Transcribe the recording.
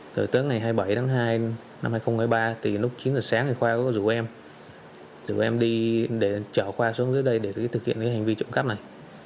tới tớ ngày hai mươi bảy tháng hai năm hai nghìn ba lúc chín giờ sáng khoa có rủ em đi để chở khoa xuống dưới đây để thực hiện hành vi trộm cắp này